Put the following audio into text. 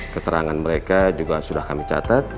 keterangan mereka juga sudah kami catat